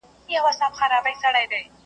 دا دمست پښتون ولس دی .